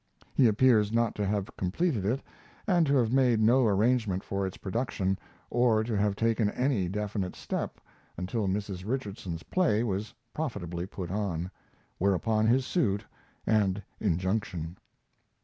He appears not to have completed it and to have made no arrangement for its production or to have taken any definite step until Mrs. Richardson's play was profitably put on; whereupon his suit and injunction.